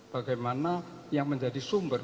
bagaimana yang menjadi sumber